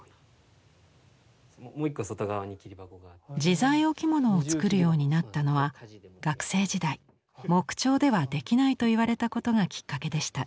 自在置物を作るようになったのは学生時代木彫ではできないと言われたことがきっかけでした。